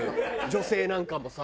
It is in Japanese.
女性なんかもさ。